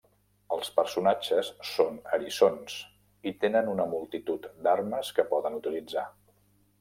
Els personatges són eriçons i tenen una multitud d'armes que poden utilitzar.